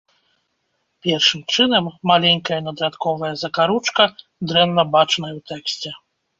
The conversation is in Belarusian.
Першым чынам, маленькая надрадковая закаручка дрэнна бачная ў тэксце.